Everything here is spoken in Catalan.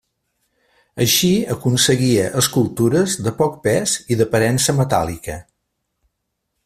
Així aconseguia escultures de poc pes i d’aparença metàl·lica.